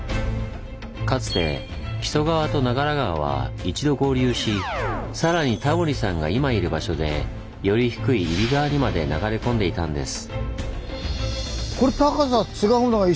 かつて木曽川と長良川は一度合流しさらにタモリさんが今いる場所でより低い揖斐川にまで流れ込んでいたんです。